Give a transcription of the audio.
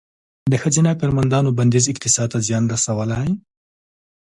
د ښځینه کارمندانو بندیز اقتصاد ته زیان رسولی؟